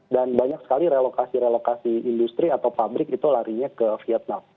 dan banyak sekali relokasi relokasi industri atau pabrik itu larinya ke vietnam